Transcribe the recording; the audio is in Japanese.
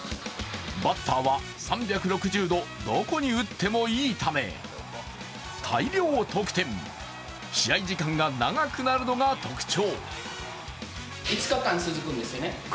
バッターは３６０度、どこに打ってもいいため大量得点、試合時間が長くなるのが特徴。